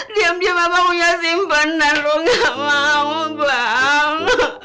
diam diam abang punya simpenan lo nggak mau bang